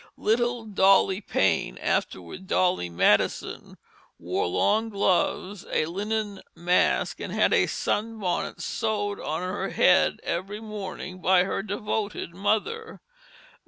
Little Dolly Payne, afterward Dolly Madison, wore long gloves, a linen mask, and had a sunbonnet sewed on her head every morning by her devoted mother.